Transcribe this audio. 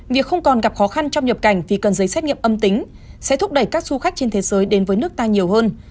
việc không còn gặp khó khăn trong nhập cảnh vì cần giấy xét nghiệm âm tính sẽ thúc đẩy các du khách trên thế giới đến với nước ta nhiều hơn